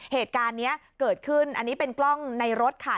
เหตุการณ์นี้เกิดขึ้นอันนี้เป็นกล้องในรถค่ะ